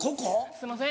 すいません